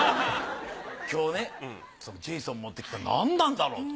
今日ねジェイソン持ってきたの何なんだろうと。